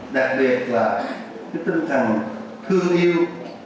đặc biệt là tinh thần thương yêu